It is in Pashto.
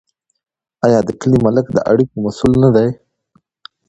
آیا د کلي ملک د اړیکو مسوول نه وي؟